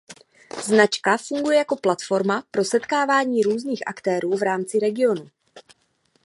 Značka funguje jako platforma pro setkávání různých aktérů v rámci regionu.